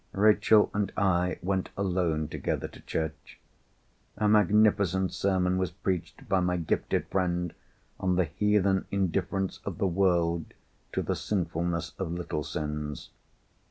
Rachel and I went alone together to church. A magnificent sermon was preached by my gifted friend on the heathen indifference of the world to the sinfulness of little sins.